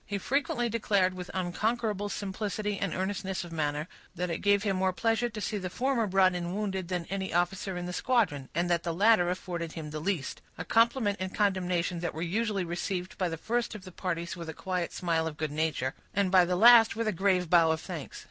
He frequently declared, with unconquerable simplicity and earnestness of manner, that it gave him more pleasure to see the former brought in wounded than any officer in the squadron, and that the latter afforded him the least; a compliment and condemnation that were usually received by the first of the parties with a quiet smile of good nature, and by the last with a grave bow of thanks.